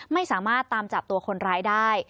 ไม่สามารถตามจับตัวคนร้ายได้